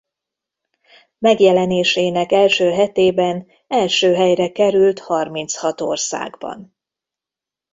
Megjelenésének első hetében első helyre került harminchat országban.